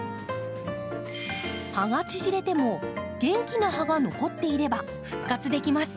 葉が縮れても元気な葉が残っていれば復活できます。